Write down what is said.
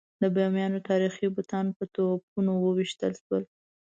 د بامیانو تاریخي بوتان په توپونو وویشتل شول.